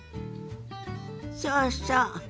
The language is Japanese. そうそう。